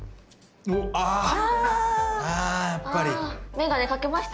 眼鏡かけました？